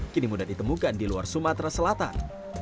kini mudah ditemukan di luar sumatera selatan